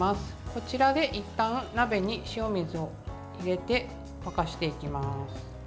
こちらで、いったん鍋に塩水を入れて沸かしていきます。